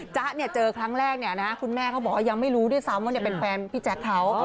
จ๊ะเจอครั้งแรกคุณแม่เขาบอกว่ายังไม่รู้ด้วยซ้ำว่าเป็นแฟนพี่แจ๊คเขา